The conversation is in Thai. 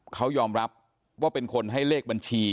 เขายอมรับว่าเป็นคนให้เลขบัญชี